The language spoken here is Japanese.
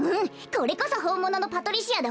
これこそほんもののパトリシアだわ。